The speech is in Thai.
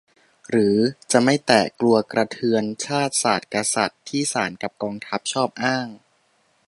หรือจะไม่แตะ กลัวกระเทือน "ชาติ ศาสน์ กษัตริย์" ที่ศาลกับกองทัพชอบอ้าง